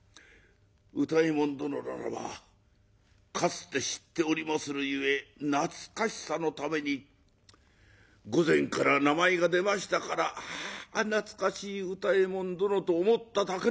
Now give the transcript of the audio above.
歌右衛門殿ならばかつて知っておりまするゆえ懐かしさのために御前から名前が出ましたからあ懐かしい歌右衛門殿と思っただけのことでございます。